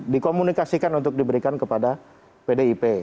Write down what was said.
dikomunikasikan untuk diberikan kepada pdip